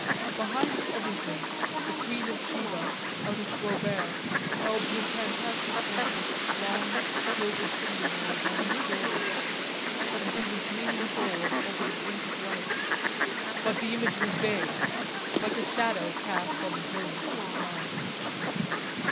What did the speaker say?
Behind everything the Queen of Sheba, out of Flaubert, held her fantastic hand with its long, gilded finger nails on his shoulder; and he was leaning forward over the brink of life. But the image was vague, like a shadow cast on the brilliance of his mind.